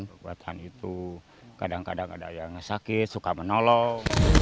kekuatan itu kadang kadang ada yang sakit suka menolong